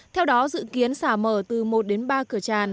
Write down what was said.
theo đó dự kiến xả mở từ một đến ba cửa tràn